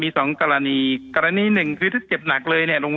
มีสองกรณีกรณีหนึ่งคือถ้าเจ็บหนักเลยเนี่ยลง